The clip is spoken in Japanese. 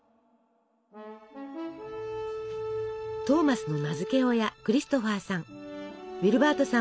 トーマスの名付け親クリストファーさん。